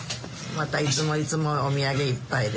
またいつもいつもお土産いっぱいで。